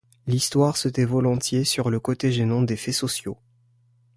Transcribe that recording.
L’histoire se tait volontiers sur le côté gênant des faits sociaux.